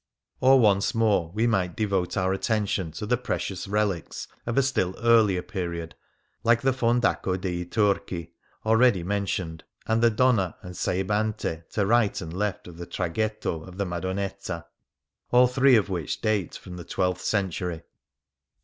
Or, once more, we might devote our attention to the precious relics of a still earlier period, like the Fondaco dei Turchi, already mentioned, and the Dona' and Saibante to right and left of the Traghetto of the Madonetta, all three of which date from the twelfth century.